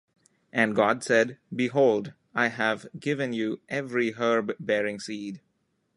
And God said, Behold, I hâve given you every herb bearing seed